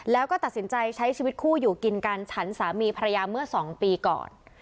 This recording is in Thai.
แล้วก็ตัดสินใจใช้ชีวิตคู่อยู่กินกันฉันสามีภรรยาเมื่อ๒ปีก่อน